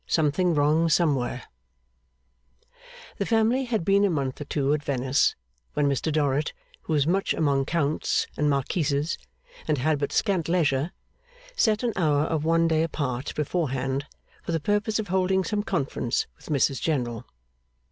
Something Wrong Somewhere The family had been a month or two at Venice, when Mr Dorrit, who was much among Counts and Marquises, and had but scant leisure, set an hour of one day apart, beforehand, for the purpose of holding some conference with Mrs General.